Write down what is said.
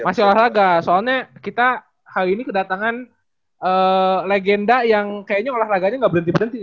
masih olahraga soalnya kita hari ini kedatangan legenda yang kayaknya olahraganya nggak berhenti berhenti